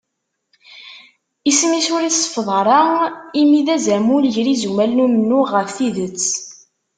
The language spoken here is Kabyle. Isem-is ur iseffeḍ ara imi d azamul gar yizumal n umennuɣ ɣef tidet.